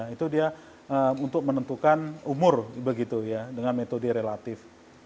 itu dia untuk menentukan umur begitu ya dengan metode relatif